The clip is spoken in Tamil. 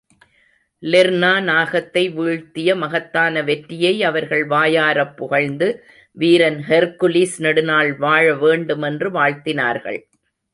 லெர்னா நாகத்தை வீழ்த்திய மகத்தான வெற்றியை அவர்கள் வாயாரப் புகழ்ந்து, வீரன் ஹெர்க்குலிஸ் நெடுநாள் வாழ வேண்டுமென்று வாழ்த்தினார்கள்.